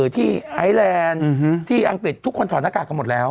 ไอแลนด์ที่อังกฤษทุกคนถอดหน้ากากกันหมดแล้ว